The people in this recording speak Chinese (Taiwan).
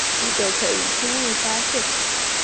你就可以輕易發現